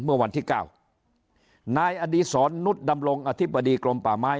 เมื่อวันที่เก้านายอดีศรนุษย์ดำรงอธิบดีกรมป่าไม้